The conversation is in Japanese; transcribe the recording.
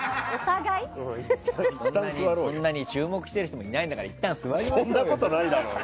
そんな注目してる人もいないからいったん座りましょうよ。